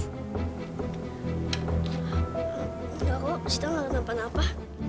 aku tidak tahu apa apa